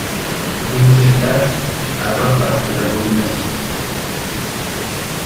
vous vous êtes laiss'e avoir par ces abominations.